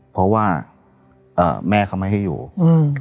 เพราะว่าเอ่อแม่เขาไม่ให้อยู่อืม